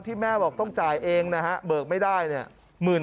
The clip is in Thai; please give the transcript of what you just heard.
แม่บอกต้องจ่ายเองนะฮะเบิกไม่ได้เนี่ย